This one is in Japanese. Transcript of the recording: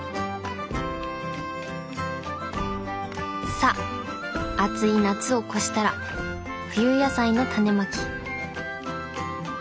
さあ暑い夏を越したら冬野菜のタネまき。